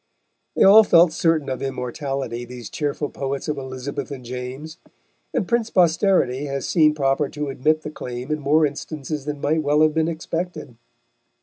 They all felt certain of immortality, these cheerful poets of Elizabeth and James, and Prince Posterity has seen proper to admit the claim in more instances than might well have been expected.